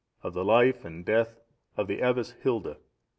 Of the life and death of the Abbess Hilda.